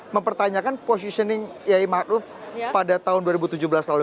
mempertanyakan positioning kiai ⁇ maruf ⁇ pada tahun dua ribu tujuh belas lalu